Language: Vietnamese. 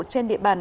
trên địa bàn